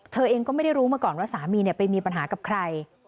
เธอเองก็ไม่ได้รู้มาก่อนว่าสามีไปมีปัญหากับใคร